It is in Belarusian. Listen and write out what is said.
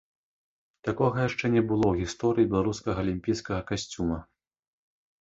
Такога яшчэ не было ў гісторыі беларускага алімпійскага касцюма.